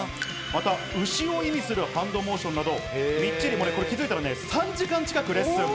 また牛を意味するハンドモーションなど、みっちり、これ気づいたら３時間近くレッスン。